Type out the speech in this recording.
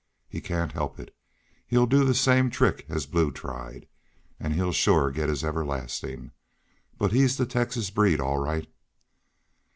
He cain't help it. He'll do the same trick as Blue tried. An' shore he'll get his everlastin'. But he's the Texas breed all right."